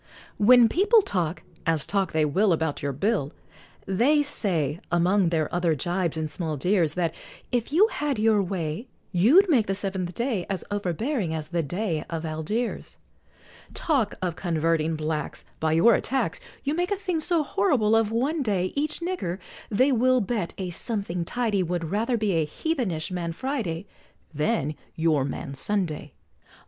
When people talk, as talk they will, About your bill, They say, among their other jibes and small jeers, That, if you had your way, You'd make the seventh day As overbearing as the Dey of Algiers. Talk of converting Blacks By your attacks, You make a thing so horrible of one day, Each nigger, they will bet a something tidy, Would rather be a heathenish Man Friday, Than your Man Sunday!